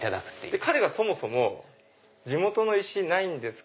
彼がそもそも地元の石ないんですか？